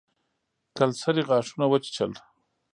کلسري غاښونه وچيچل.